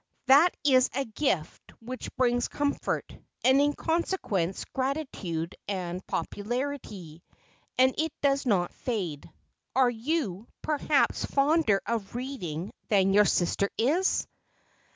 That is a gift which brings comfort, and, in consequence, gratitude and popu larity ; and it does not fade. Are you, perhaps, fonder of reading than your sister is?"